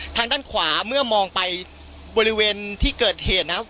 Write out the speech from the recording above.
ทางด้านขวาเมื่อมองไปบริเวณที่เกิดเหตุนะครับ